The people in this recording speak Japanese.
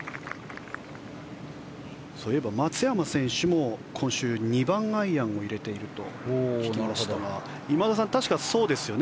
そういえば松山選手も今週、２番アイアンを入れてると聞きましたが今田さん、確かそうですよね。